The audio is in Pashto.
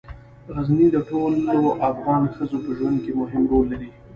غزني د ټولو افغان ښځو په ژوند کې مهم رول لري.